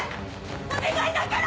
お願いだから！